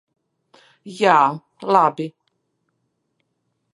Jā, labi.